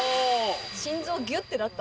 心臓ギュッ！ってなった。